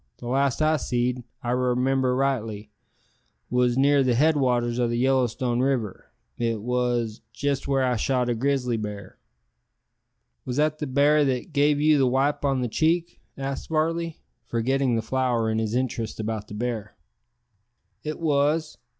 The last I seed, if I remimber rightly, wos near the head waters o' the Yellowstone River, it wos jest where I shot a grizzly bar." "Was that the bar that gave you the wipe on the cheek?" asked Varley, forgetting the flower in his interest about the bear. "It wos.